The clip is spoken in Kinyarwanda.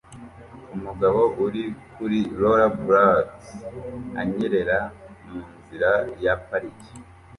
Umugabo uri kuri Rollerblades anyerera munzira ya parike